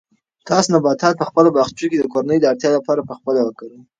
تاسو نباتات په خپلو باغچو کې د کورنۍ د اړتیا لپاره په خپله وکرئ.